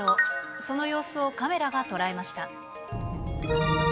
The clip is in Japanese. その様子をカメラが捉えました。